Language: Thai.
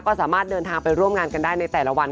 ก็สามารถเดินทางไปร่วมงานกันได้ในแต่ละวัน